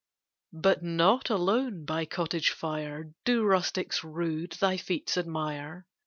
But not alone by cottage fire Do rustics rude thy feats admire.